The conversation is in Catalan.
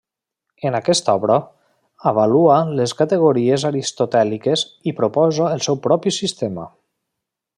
En aquesta obra, avalua les categories aristotèliques i proposa el seu propi sistema.